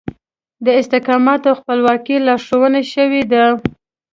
د استقامت او خپلواکي لارښوونه شوې ده.